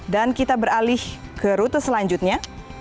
dan kita beralih ke rute selanjutnya